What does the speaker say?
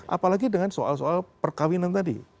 apalagi dengan soal soal perkawinan tadi